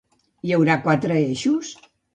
Hi haurà quatre eixos?